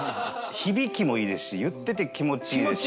響きもいいですし言ってて気持ちいいですし。